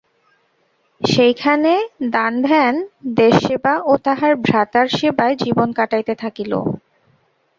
সেইখানে দানধ্যান, দেবসেবা ও তাহার ভ্রাতার সেবায় জীবন কাটাইতে থাকিল।